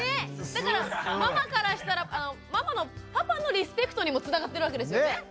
だからママからしたらママのパパのリスペクトにもつながってるわけですよね？